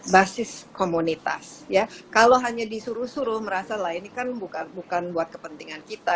basis komunitas ya kalau hanya disuruh suruh merasa lah ini kan bukan buat kepentingan kita